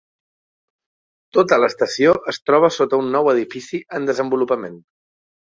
Tota l'estació es troba sota un nou edifici en desenvolupament.